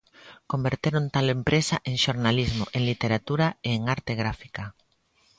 Converteron tal empresa en xornalismo, en literatura e en arte gráfica.